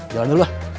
jalan dulu ah